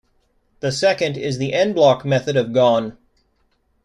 The second is the en bloc method of Ghon.